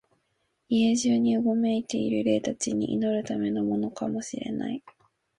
家中にうごめいている霊たちに祈るためのものかも知れない、